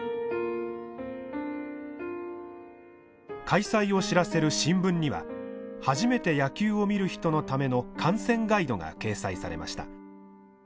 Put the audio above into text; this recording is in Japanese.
開催を知らせる新聞には初めて野球を見る人のための観戦ガイドが掲載されました。